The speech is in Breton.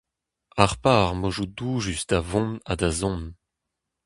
Harpañ ar modoù doujus da vont ha da zont.